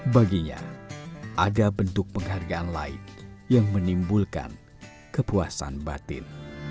baginya ada bentuk penghargaan lain yang menimbulkan kepuasan batin